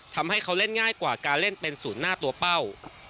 ทำให้เขาเล่นง่ายกว่าการเล่นเป็นศูนย์หน้าตัวเป้า